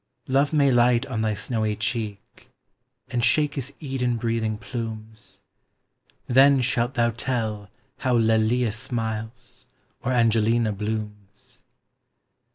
Love may light on thy snowy cheek, And shake his Eden breathing plumes; Then shalt thou tell how Lelia smiles, Or Angelina blooms.